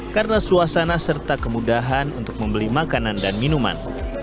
karena suasana serta kemudahan untuk membeli makanan dan minuman